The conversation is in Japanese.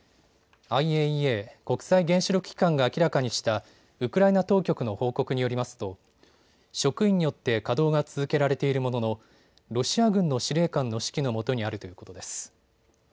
ＩＡＥＡ・国際原子力機関が明らかにしたウクライナ当局の報告によりますと職員によって稼働が続けられているもののロシア軍の司令官の指揮のもとにあるということです。